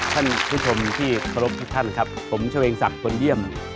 สวัสดีครับทุกท่านครับผมเช่าเองศักดิ์คนเยี่ยม